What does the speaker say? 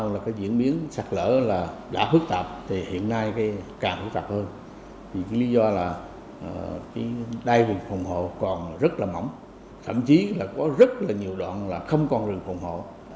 lý do là đai rừng phòng hộ còn rất là mỏng thậm chí là có rất là nhiều đoạn không còn rừng phòng hộ